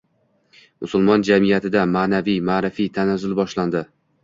Musulmon jamiyatida ma’naviy-ma’rifiy tanazzul boshlandi